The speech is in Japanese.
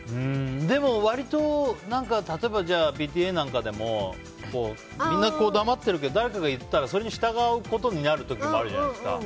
でも、割と例えばＰＴＡなんかでもみんな、黙っているけど誰かが言ったらそれに従うことになる時もあるじゃないですか。